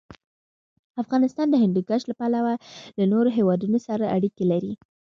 افغانستان د هندوکش له پلوه له نورو هېوادونو سره اړیکې لري.